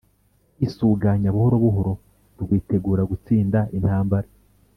kwisuganya buhoro buhoro rwitegura gutsinda intambara